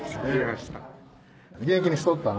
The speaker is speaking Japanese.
元気にしとった？